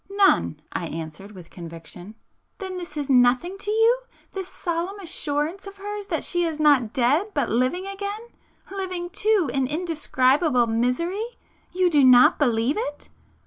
"None." I answered with conviction. "Then this is nothing to you?—this solemn assurance of [p 432] hers that she is not dead, but living again,—living too, in indescribable misery!—you do not believe it?"